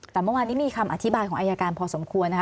แต่เมื่อวานนี้มีคำอธิบายของอายการพอสมควรนะคะ